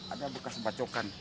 ada bekas bacokan